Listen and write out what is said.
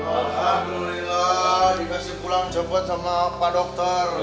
alhamdulillah dikasih pulang coba sama pak dokter